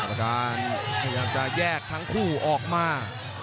พลังลักษณ์พยายามจะแยกทั้งคู่ออกมา